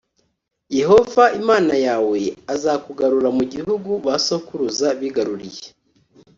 Yehova Imana yawe azakugarura mu gihugu ba sokuruza bigaruriye